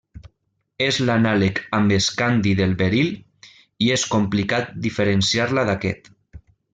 És l'anàleg amb escandi del beril, i és complicat diferenciar-la d'aquest.